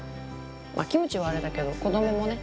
まあキムチはあれだけど子どももね